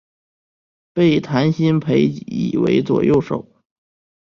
被谭鑫培倚为左右手。